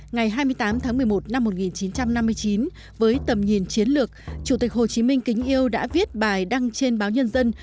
ngày hai mươi tám tháng một mươi một năm một nghìn chín trăm năm mươi chín với tầm nhìn chiến lược chủ tịch hồ chí minh kính yêu đã viết bài đăng trên báo nhân dân